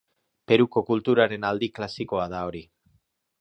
Peruko kulturaren aldi klasikoa da hori.